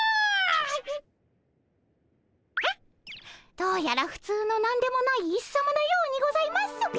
どうやら普通の何でもないイスさまのようにございます。